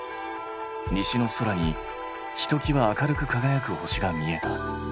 西の空にひときわ明るくかがやく星が見えた。